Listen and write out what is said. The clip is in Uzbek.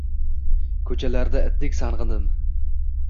Koʻchalarda itdek sangʻidim